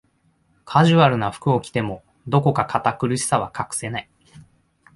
カジュアルな服を着ても、どこか堅苦しさは隠せない